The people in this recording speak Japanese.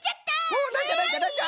おおなんじゃなんじゃなんじゃ？